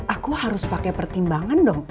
aku harus pakai pertimbangan dong